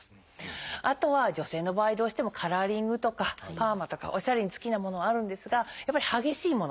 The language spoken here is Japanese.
あとは女性の場合どうしてもカラーリングとかパーマとかおしゃれに好きなものはあるんですがやっぱり激しいもの